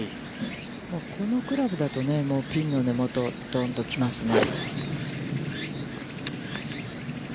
このクラブだと、ピンの根元、どんと来ますね。